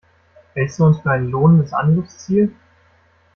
Hältst du uns für ein lohnendes Angriffsziel?